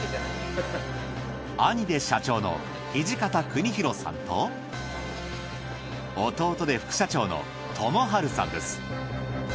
兄で社長の土方邦裕さんと弟で副社長の智晴さんです。